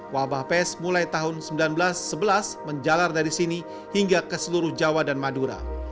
wabah pes mulai tahun seribu sembilan ratus sebelas menjalar dari sini hingga ke seluruh jawa dan madura